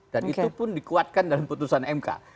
dan itu pun dikuatkan dalam keputusan mk